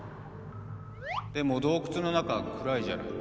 でも洞窟の中は暗いじゃないか。